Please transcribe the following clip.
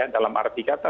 dalam arti kata